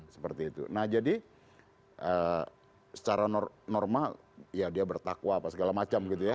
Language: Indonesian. seperti itu nah jadi secara normal ya dia bertakwa apa segala macam gitu ya